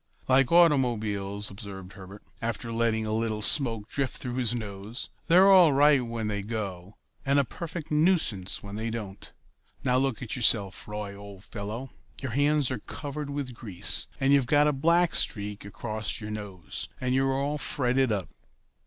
"Like automobiles," observed Herbert, after letting a little smoke drift through his nose, "they're all right when they go, and a perfect nuisance when they don't. Now look at yourself, Roy, old fellow. Your hands are covered with grease, and you've got a black streak across your nose, and you're all fretted up."